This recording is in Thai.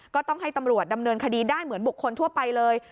ก็ต้องให้ตำรวจดำเนินคดีได้เหมือนบุคคลทั่วไปเลย